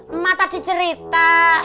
emak tadi cerita